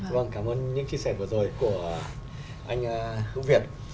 vâng cảm ơn những chia sẻ vừa rồi của anh hữu việt